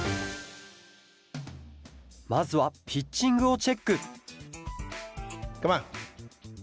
まずはピッチングをチェックカモン！